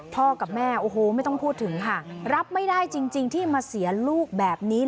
กับแม่โอ้โหไม่ต้องพูดถึงค่ะรับไม่ได้จริงที่มาเสียลูกแบบนี้